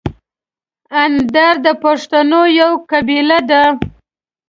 اندړ د پښتنو یوه قبیله ده.